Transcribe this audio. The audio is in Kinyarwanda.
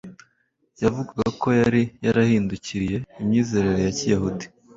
Yavugwaga ko yari yarahindukiriye imyizerere ya Kiyahudi